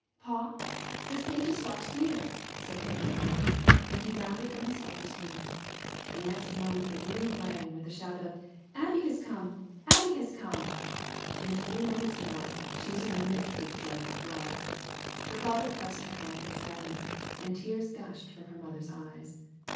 "Pa, the stage has stopped here," said little Charley, and he bounded from his father's knee. The next moment the room rang with the shout of "Abby has come! Abby has come!" In a few moments more, she was in the midst of the joyful throng. Her father pressed her hand in silence, and tears gushed from her mother's eyes.